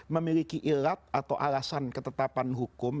memiliki ilat atau alasan ketetapan hukum